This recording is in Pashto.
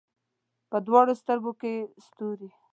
په دواړو سترګو کې یې ستوري